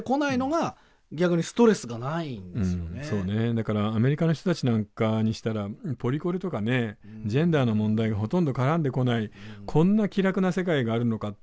だからアメリカの人たちなんかにしたらポリコレとかねジェンダーの問題がほとんど絡んでこないこんな気楽な世界があるのかっていうね。